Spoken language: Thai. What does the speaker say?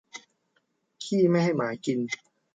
ขี้ไม่ให้หมากิน